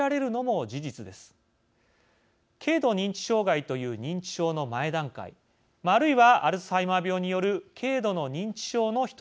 軽度認知障害という認知症の前段階あるいはアルツハイマー病による軽度の認知症の人たちです。